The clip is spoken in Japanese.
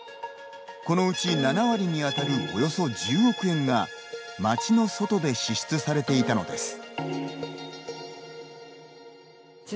このうち、７割にあたるおよそ１０億円が町の外で支出されていたのです。